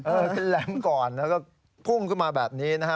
ขึ้นแหลมก่อนแล้วก็พุ่งขึ้นมาแบบนี้นะฮะ